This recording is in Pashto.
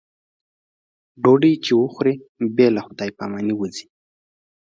ډوډۍ چې وخوري بې له خدای په امانۍ وځي.